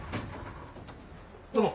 どうも。